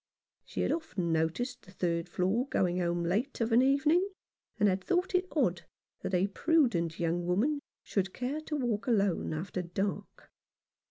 She had often noticed the third floor going home late of an evening, and had thought it odd that a prudent young woman should care to walk alone after dark.